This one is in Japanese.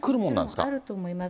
それもあると思います。